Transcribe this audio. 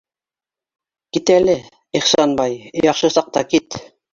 Кит әле, Ихсанбай, яҡшы саҡта кит!